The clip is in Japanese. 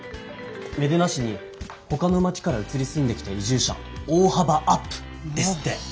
「芽出菜市にほかの町から移り住んできた移住者大幅アップ」ですって！